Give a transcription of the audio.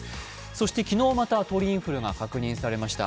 そして昨日また鳥インフルが確認されました。